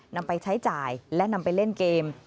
นำไปใช้จ่ายและนำไปเล่นเกม